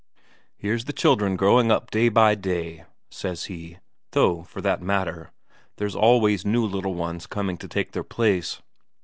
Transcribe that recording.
"Here's the children growing up day by day," says he, though, for that matter, there's always new little ones coming to take their place.